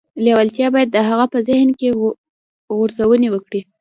لېوالتیا باید د هغه په ذهن کې غځونې وکړي